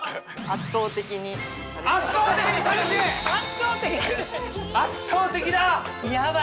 圧倒的だ。